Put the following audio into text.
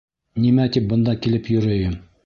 Нимә тип бында килеп йөрөйөм.